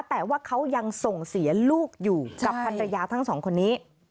แต่ว่าเขายังส่งเสียลูกอยู่กับภรรยาทั้งสองคนนี้